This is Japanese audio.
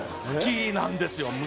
好きなんですよ